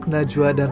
ya jadi itu